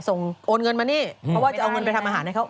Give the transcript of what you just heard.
โอนเงินมานี่เพราะว่าจะเอาเงินไปทำอาหารให้เขา